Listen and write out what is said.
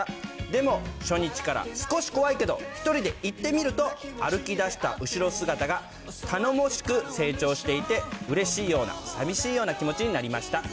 でも、初日から少し怖いけど、１人で行ってみると、歩き出した後ろ姿が、頼もしく成長していて、うれしいようなさみしいような気持ちになりました。